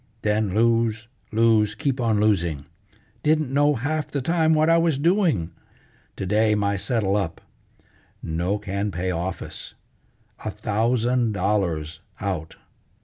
Then lose, lose, keep on losing. Didn't know half the time what I was doing. To day my settle up; no can pay office. A thousand dollars out!